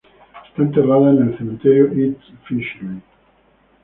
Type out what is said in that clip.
Está enterrada en el cementerio East Finchley.